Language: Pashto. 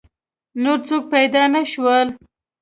نور څوک پیدا نه شول.